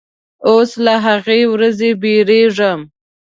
اوس له هغې ورځې بیریږم